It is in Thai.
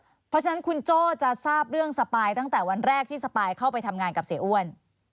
เพราะฉะนั้นคุณโจ้จะทราบเรื่องสปายตั้งแต่วันแรกที่สปายเข้าไปทำงานกับเสียอ้วน